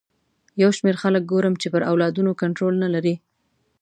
یو شمېر خلک ګورم چې پر اولادونو کنټرول نه لري.